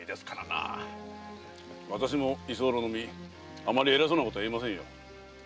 私も居候の身あまり偉そうなことは言えませんよ。